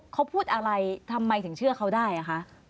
เขาพูดอะไรทำไมถึงเชื่อเขาได้อะคะ